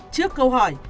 trước câu hỏi